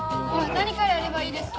何からやればいいですか？